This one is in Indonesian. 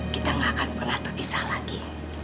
kita gak akan pernah terpisah lagi